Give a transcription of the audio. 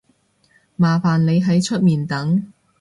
麻煩你喺出面等